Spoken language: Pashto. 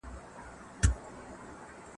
سپوږمۍ تندر نیولې ده که نور څه مي لیده